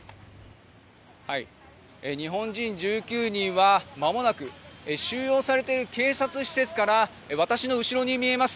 日本人１９人はまもなく収容されている警察施設から私の後ろに見えます